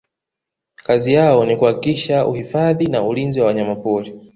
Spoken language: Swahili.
kazi yao ni kuhakikisha uhifadhi na ulinzi wa wanyamapori